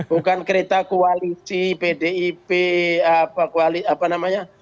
bukan kereta koalisi pdip apa namanya